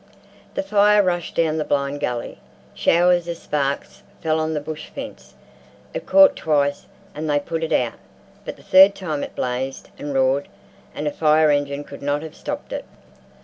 The fire rushed down the blind gully. Showers of sparks fell on the bush fence, it caught twice, and they put it out, but the third time it blazed and roared and a fire engine could not have stopped it.